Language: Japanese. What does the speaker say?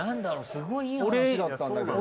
すごいいい話だったんだけどな。